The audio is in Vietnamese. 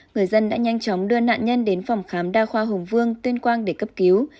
người dân đã nhanh chóng đưa nạn nhân đến phòng khám đa khoa hùng vương tuyên quang để cấp cứu